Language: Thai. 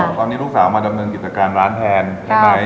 ตอนนี้ลูกสาวมาดำเนินกิจการร้านแทนใช่ไหม